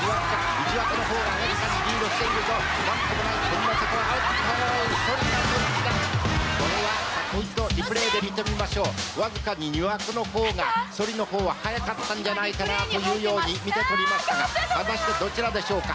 １枠の方がわずかにリードしているぞもう一度リプレイで見てみましょうわずかに２枠の方がソリの方ははやかったんじゃないかなあというように見て取りましたが果たしてどちらでしょうか？